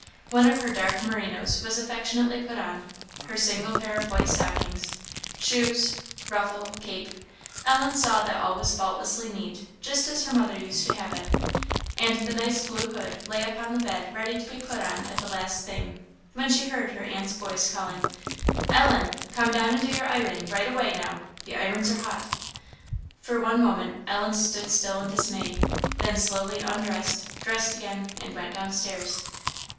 One of her dark merinos was affectionately put on; her single pair of white stockings; shoes, ruffle, cape Ellen saw that all was faultlessly neat, just as her mother used to have it; and the nice blue hood lay upon the bed ready to be put on the last thing, when she heard her aunt's voice calling "Ellen! come down and do your ironing right away, now! the irons are hot." For one moment Ellen stood still in dismay; then slowly undressed, dressed again, and went down stairs.